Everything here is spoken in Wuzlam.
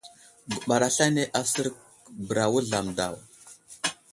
Guɓar aslane asər bəra Wuzlam daw.